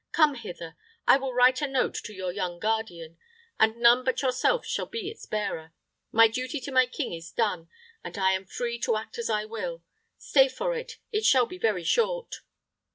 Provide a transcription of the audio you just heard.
Come hither; I will write a note to your young guardian, and none but yourself shall be its bearer. My duty to my king is done, and I am free to act as I will. Stay for it; it shall be very short."